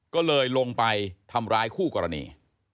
ก็เลยลงไปทำร้ายคู่กรณี